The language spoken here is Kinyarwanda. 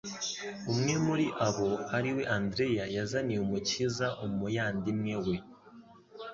Umwe muri abo ari we Andreya yazaniye Umukiza umuyandimwe we.